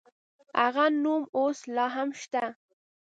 هغه نوم اوس لا هم شته.